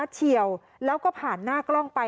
เฉียวแล้วก็ผ่านหน้ากล้องไป